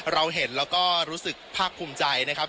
เราเห็นแล้วก็รู้สึกภาคภูมิใจนะครับ